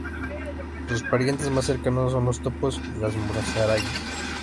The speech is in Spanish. Sus parientes más cercanos son los topos y las musarañas.